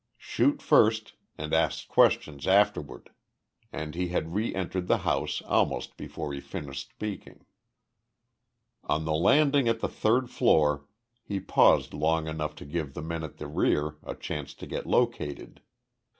Shoot first and ask questions afterward!" and he had re entered the house almost before he finished speaking. On the landing at the third floor he paused long enough to give the men at the rear a chance to get located.